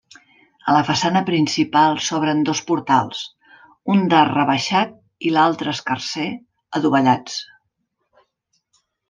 A la façana principal s'obren dos portals, un d'arc rebaixat i l'altre escarser, adovellats.